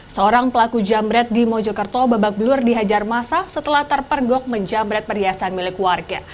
seorang pelaku jambret di mojokerto babak belur dihajar masa setelah terpergok menjamret perhiasan milik warga